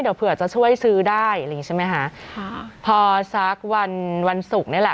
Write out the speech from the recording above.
เดี๋ยวเผื่อจะช่วยซื้อได้ใช่ไหมฮะพอซักวันวันศุกร์นี่แหละ